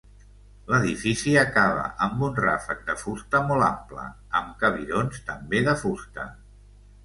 L'edifici acaba amb un ràfec de fusta molt ample, amb cabirons també de fusta.